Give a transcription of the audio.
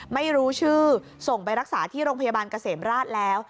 ไม่รู้ชื่อส่งไปรักษาที่โรงพยาบาลเกษมราชแล้ว